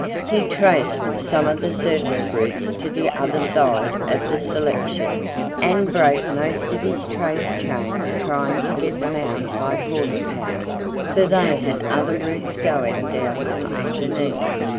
He traced some of the surface roots to the other side of the selection, and broke most of his trace chains trying to get them out by horse power for they had other roots going down from underneath.